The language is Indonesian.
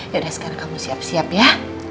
sekarang kamu siap siap ya